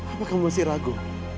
apakah kamu masih ragu